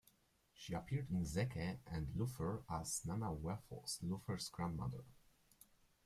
She appeared in Zeke and Luther as Nana Waffles, Luther's grandmother.